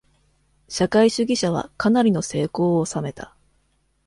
社会主義者はかなりの成功を収めた。